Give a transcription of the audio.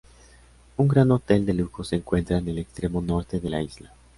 Un gran hotel de lujo se encuentra en el extremo norte de la isla.